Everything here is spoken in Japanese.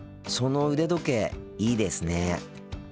その腕時計いいですね。